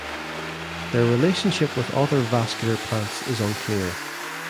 Their relationship with other vascular plants is unclear.